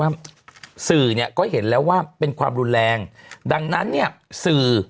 สื่อเนี่ยก็เห็นแล้วว่าเป็นความรุนแรงดังนั้นเนี่ยสื่อ